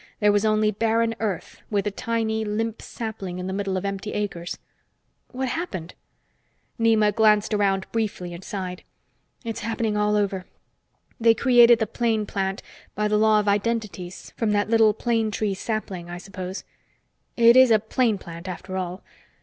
There was only barren earth, with a tiny, limp sapling in the middle of empty acres. "What happened?" Nema glanced around briefly and sighed. "It's happening all over. They created the plane plant by the law of identities from that little plane tree sapling, I suppose; it is a plane plant, after all.